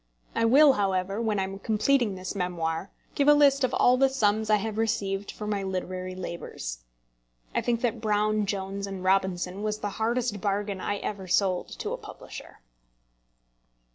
I will, however, when I am completing this memoir, give a list of all the sums I have received for my literary labours. I think that Brown, Jones, and Robinson was the hardest bargain I ever sold to a publisher.